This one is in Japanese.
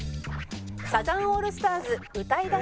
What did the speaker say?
サザンオールスターズ歌い出し